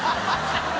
ハハハ